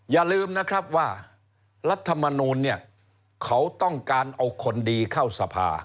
อย่าลืมนะครับว่ารัฐมนูลเนี่ยเขาต้องการเอาคนดีเข้าสภา